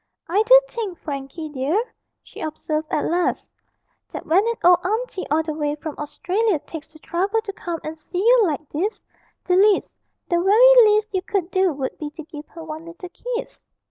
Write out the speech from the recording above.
'I do think, Frankie dear,' she observed at last, 'that when an old auntie all the way from Australia takes the trouble to come and see you like this, the least the very least you could do would be to give her one little kiss.'